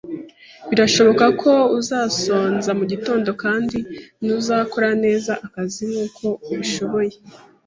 birashoboka ko uzasonza mugitondo kandi ntuzakora neza akazi nkuko ubishoboye